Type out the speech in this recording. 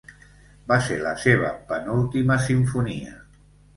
Va ser la seva penúltima simfonia.